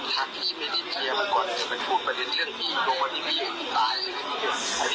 จะเข้าจับกลุ่มมาถ้าพี่ไม่ได้เคลียร์มันก่อน